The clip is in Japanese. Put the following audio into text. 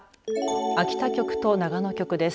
秋田局と長野局です。